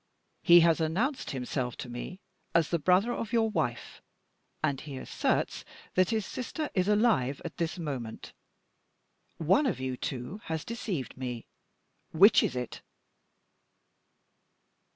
He has announced himself to me as the brother of your wife, and he asserts that his sister is alive at this moment. One of you two has deceived me. Which is it?"